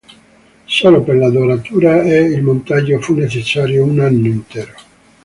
Solo per la doratura e il montaggio fu necessario un anno intero.